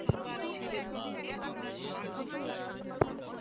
আমি ঠাকুরসাহেবের সহিত মহাবালেশ্বর হতে এখানে এসেছি এবং তাঁরই বাড়ীতে আছি।